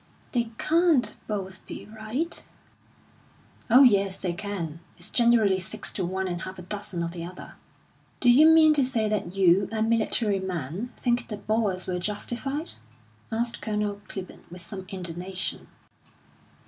"They can't both be right." "Oh, yes, they can. It's generally six to one and half a dozen of the other." "Do you mean to say that you, a military man, think the Boers were justified?" asked Colonel Clibborn, with some indignation.